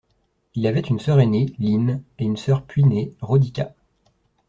Il avait une sœur aînée, Line, et une sœur puînée, Rodica.